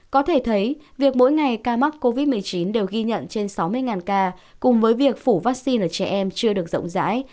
có thể thấy việc mỗi ngày ca mắc covid một mươi chín đều ghi nhận trên sáu mươi ca cùng với việc phủ vaccine ở trẻ em chưa được rộng rãi